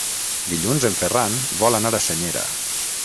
Dilluns en Ferran vol anar a Senyera.